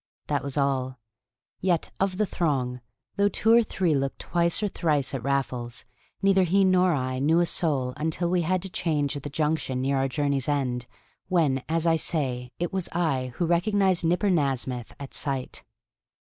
That was all. Yet of the throng, though two or three looked twice and thrice at Raffles, neither he nor I knew a soul until we had to change at the junction near our journey's end, when, as I say, it was I who recognized Nipper Nasmyth at sight.